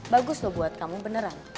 bagus loh buat kamu beneran